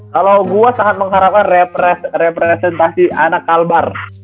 kalo gua sangat mengharapkan representasi anak kalbar